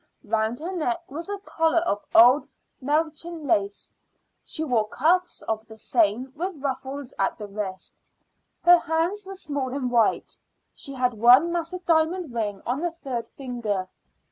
Round her neck was a collar of old Mechlin lace; she wore cuffs of the same with ruffles at the wrist. Her hands were small and white. She had one massive diamond ring on the third finger.